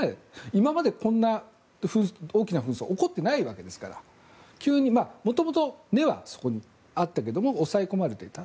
今までこんな大きな紛争は起こっていないわけですからもともと、根はあったけども抑え込まれていた。